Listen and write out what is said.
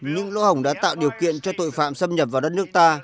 những lỗ hỏng đã tạo điều kiện cho tội phạm xâm nhập vào đất nước ta